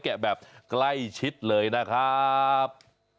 แกะแบบใกล้ชิดเลยนะครับ